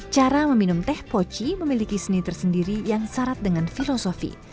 cara meminum teh poci memiliki seni tersendiri yang syarat dengan filosofi